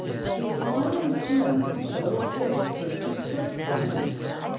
He was long and slim, But the little pig proved too swift for him.